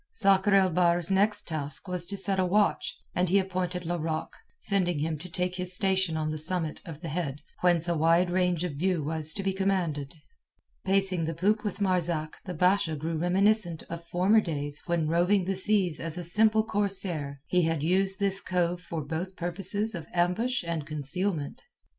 Sakr el Bahr's next task was to set a watch, and he appointed Larocque, sending him to take his station on the summit of the head whence a wide range of view was to be commanded. Pacing the poop with Marzak the Basha grew reminiscent of former days when roving the seas as a simple corsair he had used this cove both for purposes of ambush and concealment.